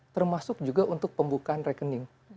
termasuk juga untuk pembukaan rekening